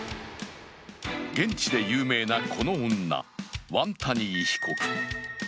現地で有名なこの女、ワンタニー被告。